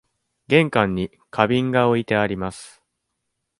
玄関に花瓶が置いてあります。